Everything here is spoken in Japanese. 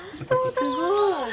すごい。